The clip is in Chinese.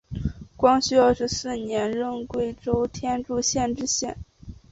光绪二十四年任贵州天柱县知县。